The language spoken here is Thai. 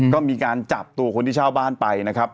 ก็มีการจับตัวคนที่เช่าบ้านไปนะครับ